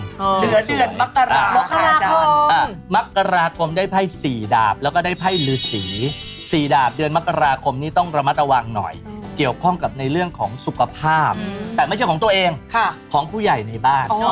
เหลือเดือนมกราคมได้ไพ่๔ดาบแล้วก็ได้ไพ่ฤษี๔ดาบเดือนมกราคมนี้ต้องระมัดระวังหน่อยเกี่ยวข้องกับในเรื่องของสุขภาพแต่ไม่ใช่ของตัวเองของผู้ใหญ่ในบ้าน